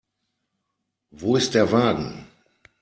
Wo ist der Wagen?